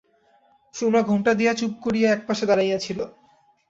সুরমা ঘোমটা দিয়া চুপ করিয়া একপাশে দাঁড়াইয়া ছিল।